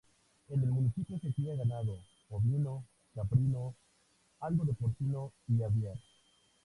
En el municipio se cría ganado ovino, caprino, algo de porcino y aviar.